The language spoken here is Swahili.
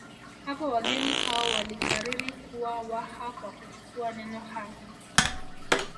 Hapo wageni hao walikariri kuwa Waha kwa kuchukua neno ha